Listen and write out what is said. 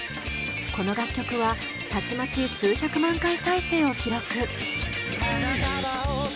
この楽曲はたちまち数百万回再生を記録。